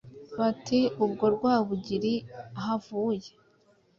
Bati "ubwo Rwabugili ahavuye